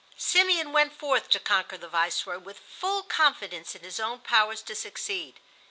Simeon went forth to conquer the Viceroy with full confidence in his own powers to succeed.